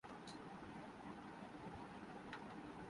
سرفرازدورہ Zimbabwe میں اچھی performance دکھانے کیلئے پر امید